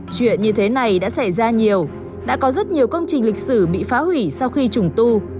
chuyện như thế này đã xảy ra nhiều đã có rất nhiều công trình lịch sử bị phá hủy sau khi trùng tu